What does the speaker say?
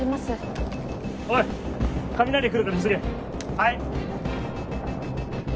はい！